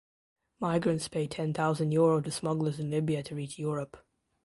Migrants pay ten thousand Euro to smugglers in Libya to reach Europe.